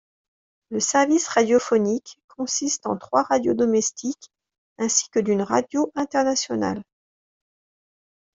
Le service radiophonique consiste en trois radios domestique ainsi que d'une radio internationale.